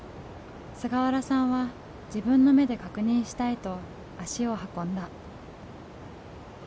菅原さんは自分の目で確認したいと足を運んだ。